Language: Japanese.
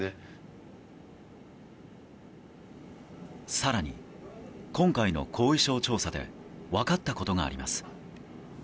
更に、今回の後遺症調査で分かったことがあります。